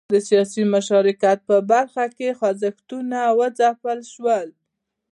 د سیاسي مشارکت په برخه کې خوځښتونه وځپل شول.